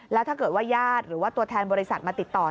แล้วถ้าเกิดว่าญาติหรือว่าตัวแทนบริษัทมาติดต่อ